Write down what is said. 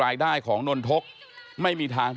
นั่นแหละสิเขายิบยกขึ้นมาไม่รู้ว่าจะแปลความหมายไว้ถึงใคร